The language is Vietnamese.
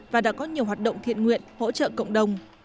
và đã có nhiều hoạt động thiện nguyện hỗ trợ cộng đồng